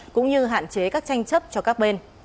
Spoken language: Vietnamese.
cũng như hạn chế các tranh chấp cho các bên